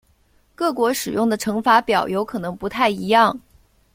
各国使用的乘法表有可能不太一样。